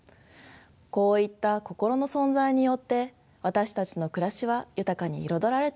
こういった「心の存在」によって私たちの暮らしは豊かに彩られているのです。